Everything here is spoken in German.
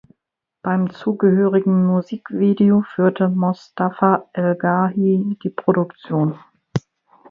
Beim zugehörigen Musikvideo führte Mostafa El Garhy die Produktion.